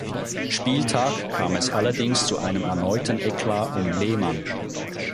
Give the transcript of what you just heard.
Spieltag kam es allerdings zu einem erneuten Eklat um Lehmann.